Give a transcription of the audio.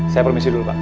saya permisi dulu pak